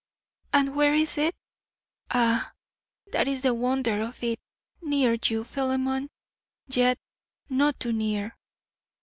And where is it? Ah, that is the wonder of it. Near you, Philemon, yet not too near.